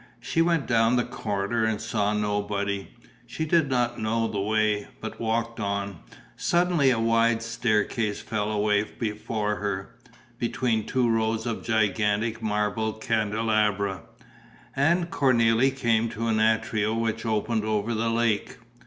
She went down the corridor and saw nobody. She did not know the way, but walked on. Suddenly a wide staircase fell away before her, between two rows of gigantic marble candelabra; and Cornélie came to an atrio which opened over the lake.